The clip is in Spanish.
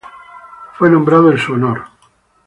El fue nombrado en su honor.